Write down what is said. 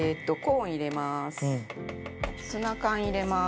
ツナ缶、入れます。